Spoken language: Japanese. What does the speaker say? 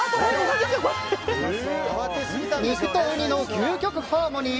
肉とウニの究極ハーモニー。